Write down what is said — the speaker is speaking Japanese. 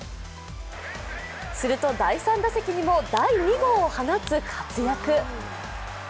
すると第３打席にも第２号を放つ活躍。